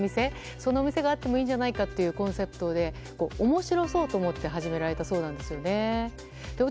そんなお店があってもいいじゃないかというコンセプトで、面白そうと思って始められたそうなんですよね。